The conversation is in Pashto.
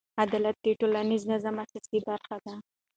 عدالت د ټولنیز نظم اساسي برخه ده.